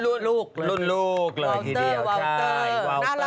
รุ่นลูกรุ่นลูกเลยทีเดียวใช่